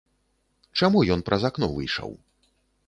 Чаму ён праз акно выйшаў?